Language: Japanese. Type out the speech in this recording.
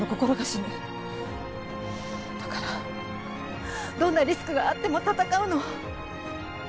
だからどんなリスクがあっても闘うの。